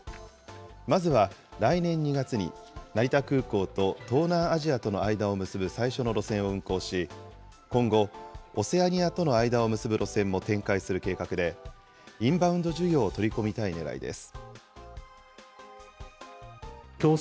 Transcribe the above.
まずは来年２月に、成田空港と東南アジアとの間を結ぶ最初の路線を運航し、今後、オセアニアとの間を結ぶ路線も展開する計画で、インバウンド需要を取り込みたいねらいです。